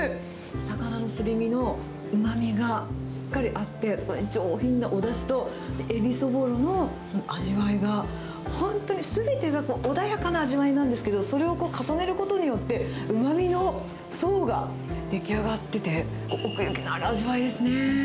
魚のすり身のうまみがしっかりあって、そこに上品なおだしと、エビそぼろの味わいが、本当にすべてが穏やかな味わいなんですけど、それを重ねることによって、うまみの層が出来上がってて、奥行きのある味わいですね。